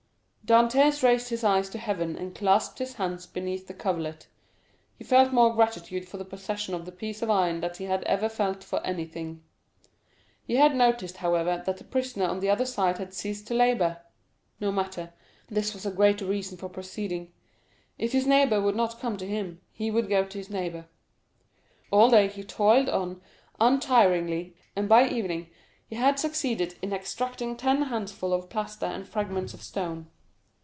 Dantès raised his eyes to heaven and clasped his hands beneath the coverlet. He felt more gratitude for the possession of this piece of iron than he had ever felt for anything. He had noticed, however, that the prisoner on the other side had ceased to labor; no matter, this was a greater reason for proceeding—if his neighbor would not come to him, he would go to his neighbor. All day he toiled on untiringly, and by the evening he had succeeded in extracting ten handfuls of plaster and fragments of stone.